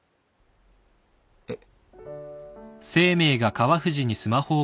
えっ。